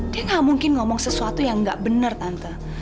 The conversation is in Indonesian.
dia gak mungkin ngomong sesuatu yang nggak bener tante